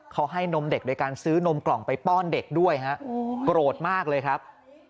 เขาให้นมเด็กโดยการซื้อนมกล่องไปป้อนเด็กด้วยครับ